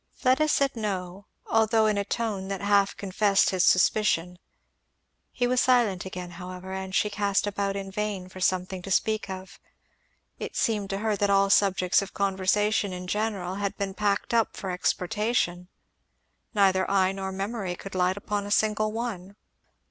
Fleda said no, although in a tone that half confessed his suspicion. He was silent again, however, and she cast about in vain for something to speak of; it seemed to her that all subjects of conversation in general had been packed up for exportation, neither eye nor memory could light upon a single one.